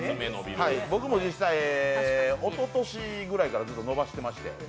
僕も実際、おととしぐらいからずっと伸ばしてまして。